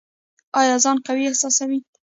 ایا ځان قوي احساسوئ؟